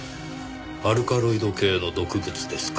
アルカロイド系の毒物ですか。